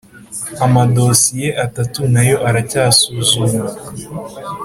amadosiye atatu nayo aracyasuzumwa.